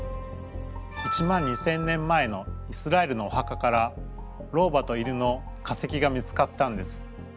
１万２，０００年前のイスラエルのおはかから老婆と犬の化石が見つかったんです。